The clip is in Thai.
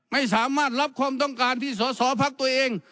ไม่สามารถรับความต้องการที่สอสอพักตัวเอง